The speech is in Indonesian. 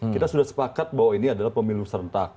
kita sudah sepakat bahwa ini adalah pemilu serentak